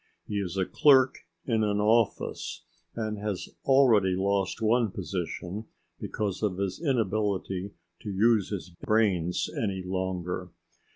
He is a clerk in an office, and has already lost one position because of his inability to use his brains any longer.